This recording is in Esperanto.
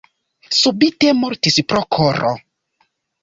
Subite mortis pro koro.